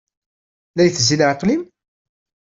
La itezzi leɛqel-im?